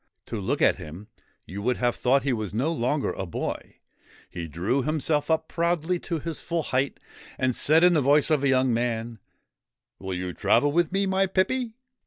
To look at him, you would have thought he was no longer a boy. He drew himself up proudly to his full height, and said in the voice of a young man : 1 Will you travel with me, my pippy